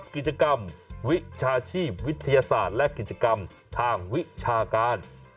กิจกรรมวิชาชีพวิทยาศาสตร์และกิจกรรมทางวิชาการ